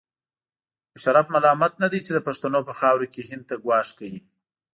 مشرف ملامت نه دی چې د پښتنو په خاوره کې هند ته ګواښ کوي.